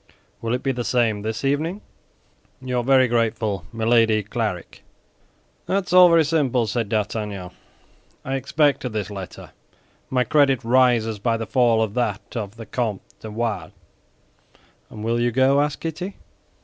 Will it be the same this evening? Your very grateful, MILADY CLARIK "That's all very simple," said D'Artagnan; "I expected this letter. My credit rises by the fall of that of the Comte de Wardes." "And will you go?" asked Kitty.